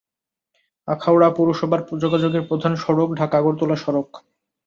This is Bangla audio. আখাউড়া পৌরসভায় যোগাযোগের প্রধান সড়ক ঢাকা-আগরতলা সড়ক।